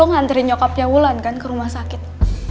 ngantri nyokapnya wulan kan ke rumah sakit